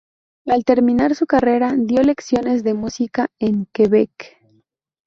Al terminar su carrera, dio lecciones de música en Quebec.